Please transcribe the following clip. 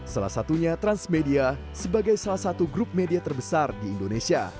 salah satunya transmedia sebagai salah satu grup media terbesar di indonesia